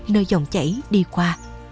nơi dòng chảy đi qua